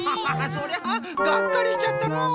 そりゃがっかりしちゃったのう。